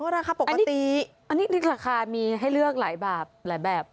ราคาปกติอันนี้นึกราคามีให้เลือกหลายแบบหลายแบบ